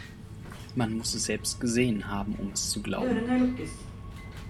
Man muss es selbst gesehen haben, um es zu glauben.